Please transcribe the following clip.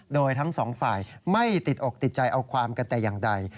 โดยทั้งสองฝ่ายไม่ติดอกติดใจเอาความกันแต่อย่างใด